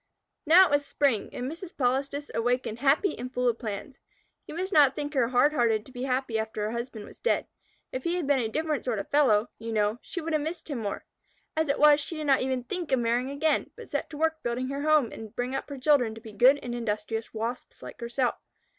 Now it was spring, and Mrs. Polistes awakened happy and full of plans. You must not think her hard hearted to be happy after her husband was dead. If he had been a different sort of a fellow, you know, she would have missed him more. As it was, she did not even think of marrying again, but set to work to build her home and bring up her children to be good and industrious Wasps like herself.